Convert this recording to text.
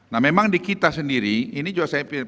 nah memang di kita sendiri ini juga saya pikir